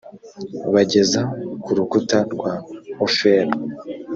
bageza ku rukuta rwa ofeli